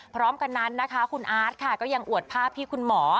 พร้อมกันนั้นนะคะคุณอาร์ตค่ะก็ยังอวดภาพที่คุณหมอ